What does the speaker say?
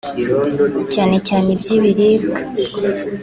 cyane cyane iby’ibiribwa